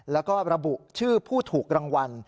แล้วก็ระบุชื่อผู้ถูกรางวัล